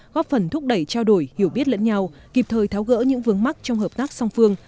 góp phần thúc đẩy trao đổi hiểu biết lẫn nhau kịp thời tháo gỡ những vướng mắc trong hợp tác song phương